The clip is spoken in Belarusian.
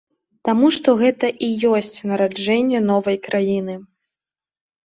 Таму што гэта і ёсць нараджэнне новай краіны.